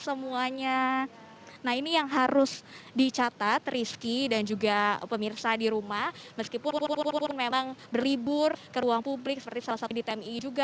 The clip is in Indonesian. semuanya nah ini yang harus dicatat rizky dan juga pemirsa di rumah meskipun memang berlibur ke ruang publik seperti salah satu di tmi juga